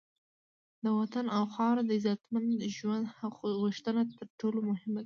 د وطن او خاوره د عزتمند ژوند غوښتنه تر ټولو مهمه ده.